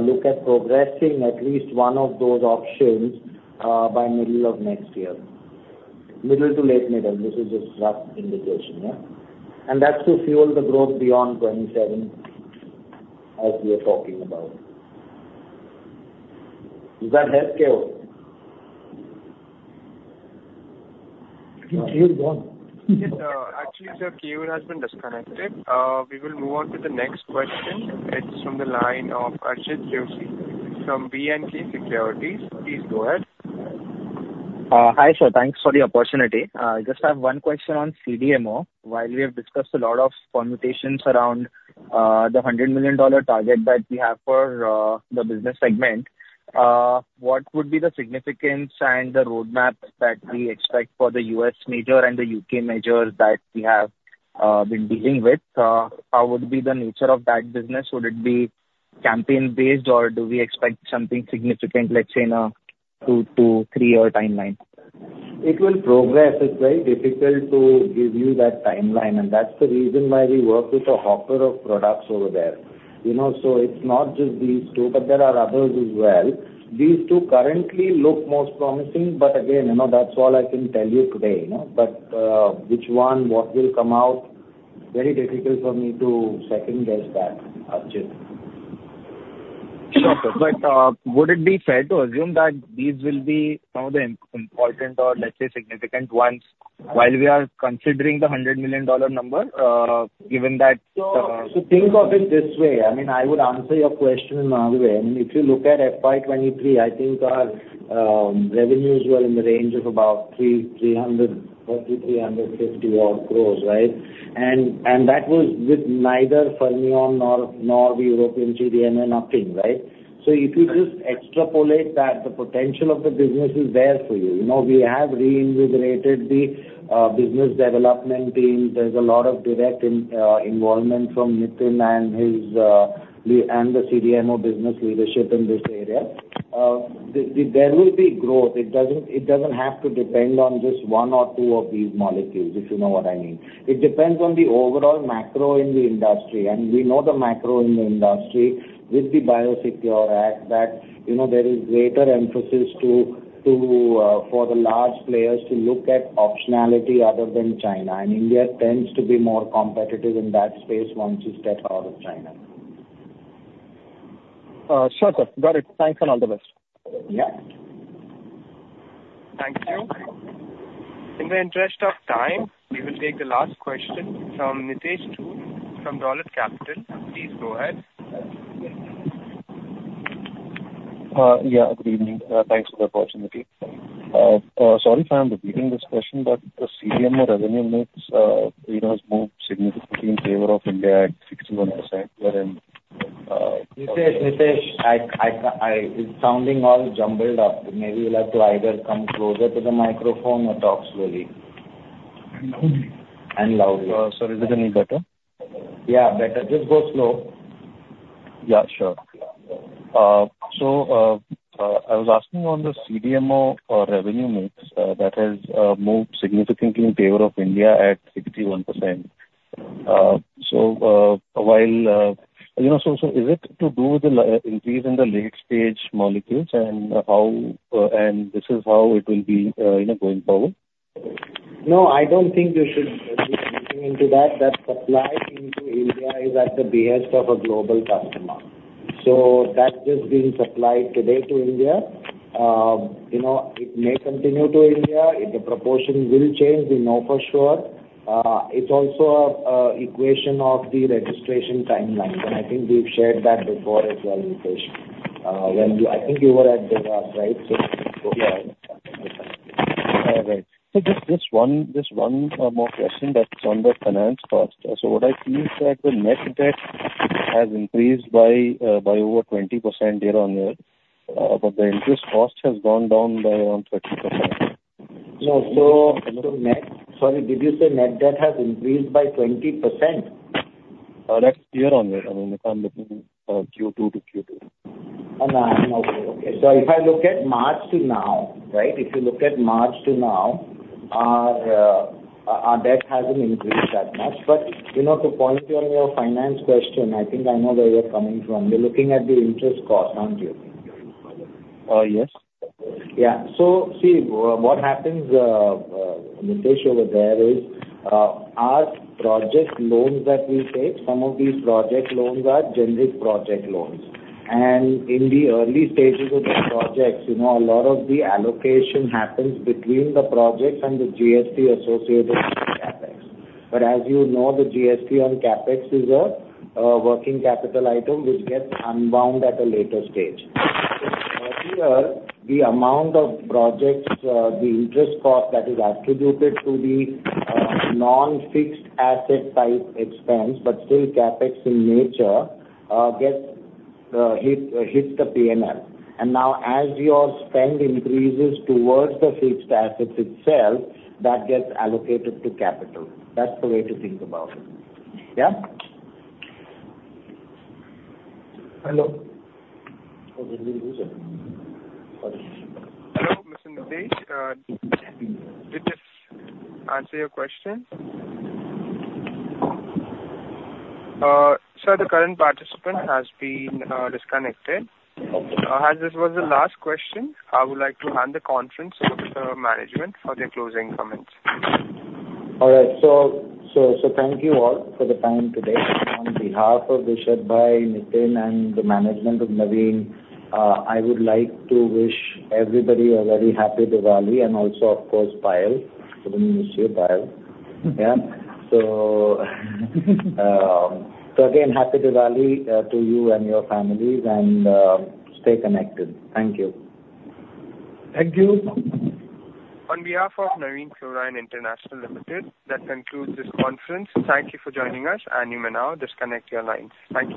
look at progressing at least one of those options by middle of next year... middle to late middle, this is just rough indication, yeah? And that's to fuel the growth beyond 2027, as we are talking about. Does that help, Keyur? I think Keyur's gone. Yes, actually, sir, Keyur has been disconnected. We will move on to the next question. It's from the line of Archit Joshi from B&K Securities. Please go ahead. Hi, sir. Thanks for the opportunity. I just have one question on CDMO. While we have discussed a lot of permutations around the $100 million target that we have for the business segment, what would be the significance and the roadmap that we expect for the U.S. major and the U.K. major that we have been dealing with? How would be the nature of that business? Would it be campaign-based, or do we expect something significant, let's say, in a two to three-year timeline? It will progress. It's very difficult to give you that timeline, and that's the reason why we work with a hopper of products over there. You know, so it's not just these two, but there are others as well. These two currently look most promising, but again, you know, that's all I can tell you today, you know? But, which one, what will come out, very difficult for me to second-guess that, Archit. Sure, sir. But would it be fair to assume that these will be some of the important or, let's say, significant ones while we are considering the $100 million number, given that- Think of it this way. I mean, I would answer your question in another way. I mean, if you look at FY 2023, I think our revenues were in the range of about 333-350 odd crores, right? And that was with neither Fermion nor the European CDMO, nothing, right? So if you just extrapolate that, the potential of the business is there for you. You know, we have reinvigorated the business development team. There's a lot of direct involvement from Nitin and his and the CDMO business leadership in this area. There will be growth. It doesn't have to depend on just one or two of these molecules, if you know what I mean. It depends on the overall macro in the industry, and we know the macro in the industry with the Biosecure Act, that, you know, there is greater emphasis to for the large players to look at optionality other than China, and India tends to be more competitive in that space once you step out of China. Sure, sir. Got it. Thanks, and all the best. Yeah. Thank you. In the interest of time, we will take the last question from Nitesh Dhoot, from Dolat Capital. Please go ahead. Yeah, good evening. Thanks for the opportunity. Sorry if I'm repeating this question, but the CDMO revenue mix, you know, has moved significantly in favor of India at 61%, wherein- Nitesh, it's sounding all jumbled up. Maybe you'll have to either come closer to the microphone or talk slowly. And loudly. And loudly. Sorry, is it any better? Yeah, better. Just go slow. Yeah, sure. So, I was asking on the CDMO revenue mix that has moved significantly in favor of India at 61%. So, while you know, so, so is it to do with the increase in the late-stage molecules and how and this is how it will be, you know, going forward? No, I don't think you should be looking into that. That supply into India is at the behest of a global customer. So that's just been supplied today to India. You know, it may continue to India. If the proportion will change, we know for sure. It's also an equation of the registration timelines, and I think we've shared that before as well, Nitesh. I think you were at Dolat, right? So, yeah. Right. Just one more question that's on the finance cost. What I see is that the net debt has increased by over 20% year-on-year, but the interest cost has gone down by around 13%. Yeah. So, net... Sorry, did you say net debt has increased by 20%? That's year-on-year. I mean, if I'm looking, Q2 to Q2. Oh, no. Okay, okay. So if I look at March to now, right? If you look at March to now, our debt hasn't increased that much. But, you know, to point you on your finance question, I think I know where you're coming from. You're looking at the interest cost, aren't you? Uh, yes. Yeah. So see, what happens, Nitesh, over there is our project loans that we take. Some of these project loans are generic project loans. And in the early stages of the projects, you know, a lot of the allocation happens between the projects and the GST associated with CapEx. But as you know, the GST on CapEx is a working capital item, which gets unbound at a later stage. So earlier, the amount of projects, the interest cost that is attributed to the non-fixed asset type expense, but still CapEx in nature, hits the P&L. And now, as your spend increases towards the fixed assets itself, that gets allocated to capital. That's the way to think about it. Yeah? Hello? Oh, did we lose him? Sorry. Hello, Mr. Nitesh, did this answer your question? Sir, the current participant has been disconnected. As this was the last question, I would like to hand the conference to the management for their closing comments. All right. So thank you all for the time today. On behalf of Vishad Bhai, Nitin, and the management of Navin, I would like to wish everybody a very happy Diwali and also, of course, Payal. We miss you, Payal. Yeah. So again, Happy Diwali to you and your families, and stay connected. Thank you. Thank you. On behalf of Navin Fluorine International Limited, that concludes this conference. Thank you for joining us, and you may now disconnect your lines. Thank you.